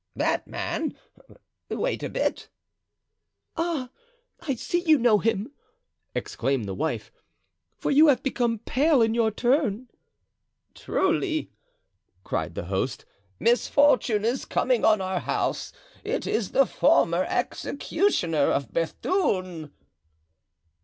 "That man—wait a bit." "Ah! I see you know him," exclaimed the wife; "for you have become pale in your turn." "Truly," cried the host, "misfortune is coming on our house; it is the former executioner of Bethune."